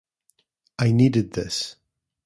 I needed this.